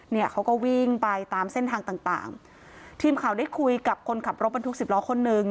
เนี่ยเขาก็วิ่งไปตามเส้นทางต่างต่างทีมข่าวได้คุยกับคนขับรถบรรทุกสิบล้อคนนึง